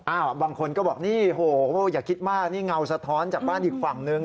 บางคนก็บอกนี่โหอย่าคิดมากนี่เงาสะท้อนจากบ้านอีกฝั่งนึง